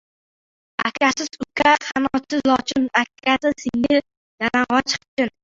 • Akasiz uka ― qanotsiz lochin, akasiz singil ― yalang‘och xipchin.